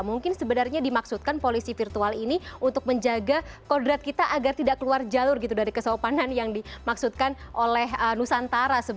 mungkin sebenarnya dimaksudkan polisi virtual ini untuk menjaga kodrat kita agar tidak keluar jalur gitu dari kesopanan yang dimaksudkan oleh nusantara